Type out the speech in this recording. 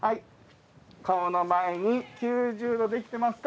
顔の前に９０度できてますか？